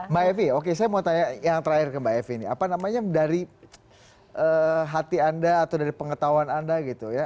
mbak evi oke saya mau tanya yang terakhir ke mbak evi ini apa namanya dari hati anda atau dari pengetahuan anda gitu ya